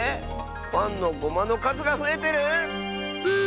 パンのゴマのかずがふえてる⁉ブー！